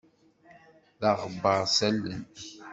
D aɣebbaṛ s allen.